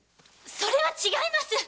それは違います。